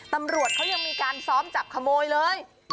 ตำรวจเขายังมีการซ้อมจับขโมยเลย